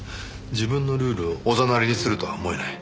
自分のルールをおざなりにするとは思えない。